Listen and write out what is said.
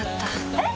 えっ！！